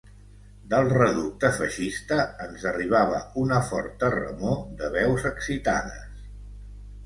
Del reducte feixista ens arribava una forta remor de veus excitades.